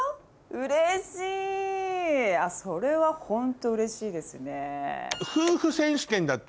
それはホントうれしいですね。